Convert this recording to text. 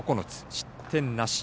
失点なし。